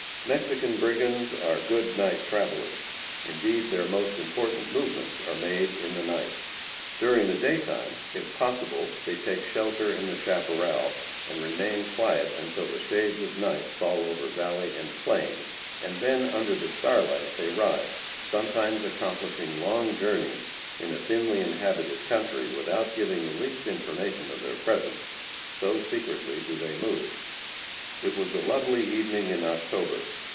Mexican brigands are good night travellers. Indeed, their most important movements are made in the night. During the day time, if possible, they take shelter in the chaparral, and remain quiet until the shades of night fall over valley and plain, and then under the starlight they ride sometimes accomplishing long journeys in a thinly inhabited country without giving the least information of their presence, so secretly do they move. It was a lovely evening in October.